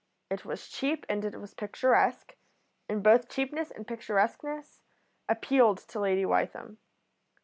It was cheap and it was picturesque, and both cheapness and picturesqueness appealed to Lady Wytham.